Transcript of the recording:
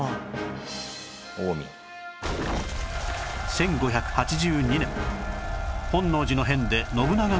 １５８２年本能寺の変で信長が討たれ